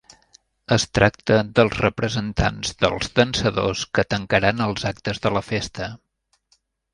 Es tracta dels representants dels dansadors que tancaran els actes de la festa.